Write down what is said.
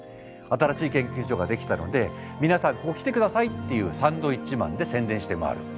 新しい研究所ができたので皆さん来て下さいっていうサンドイッチマンで宣伝して回る。